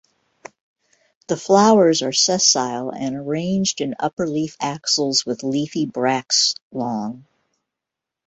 The flowers are sessile and arranged in upper leaf axils with leafy bracts long.